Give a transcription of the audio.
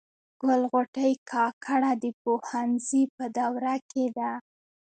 ګل غوټۍ کاکړه د پوهنځي په دوره کي ده.